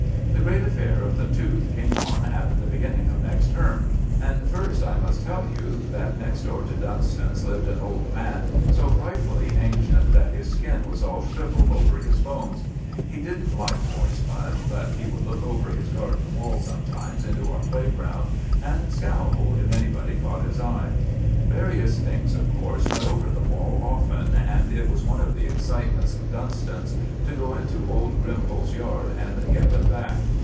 The great affair of the tooth came on at the beginning of next term; and first I must tell you that next door to Dunston's lived an old man, so frightfully ancient that his skin was all shrivelled over his bones. He didn't like boys much, but he would look over his garden wall sometimes into our playground and scowl if anybody caught his eye. Various things, of course, went over the wall often, and it was one of the excitements of Dunston's to go into old Grimbal's garden and get them back.